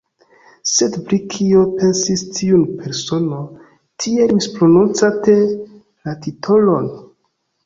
Sed pri kio pensis tiu persono, tiel misprononcante la titolon?